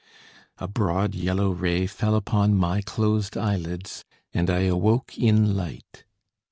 A broad yellow ray fell upon ray closed eyelids, and I awoke in light.